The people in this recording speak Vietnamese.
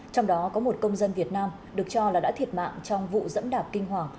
trong đó có một công dân việt nam được cho là đã thiệt mạng trong vụ dẫm đạp kinh hoàng